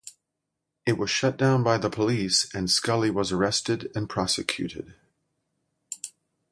It was shut down by the police, and Scully was arrested and prosecuted.